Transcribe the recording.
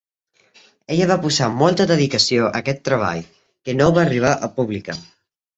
Ella va posar molta dedicació a aquest treball, que no va arribar a publicar.